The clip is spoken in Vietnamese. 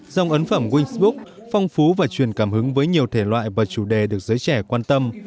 dòng ấn phẩm wing book phong phú và truyền cảm hứng với nhiều thể loại và chủ đề được giới trẻ quan tâm